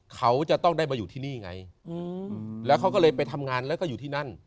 เขาจะต้องได้มาอยู่ที่นี่ไงแล้วเขาก็เลยไปทำงานแล้วก็อยู่ที่นั่น